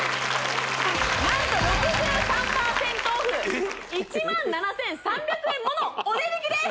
何と６３％オフ１７３００円ものお値引きです